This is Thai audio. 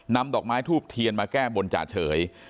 นำดอกไม้ทูบเทียนมาแก้บนจ่าเฉย